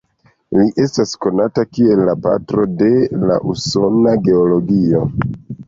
Li estas konata kiel la 'patro de la usona geologio'.